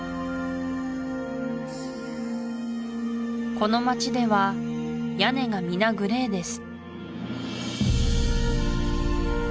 この町では屋根がみなグレーです